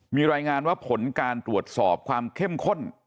มีรายงานว่าผลการตรวจสอบความเข้มข้น